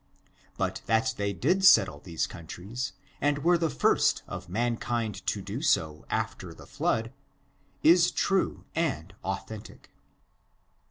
But that they did settle these countries, and were the first of mankind to do so, after the flood, is true and authentic.